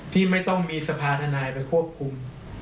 ที่ไม่ต้องมีสภาธนายไปควบคุม